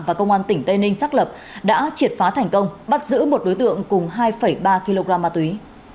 và công an tỉnh tây ninh xác lập đã triệt phá thành công bắt giữ một đối tượng cùng hai ba kg ma túy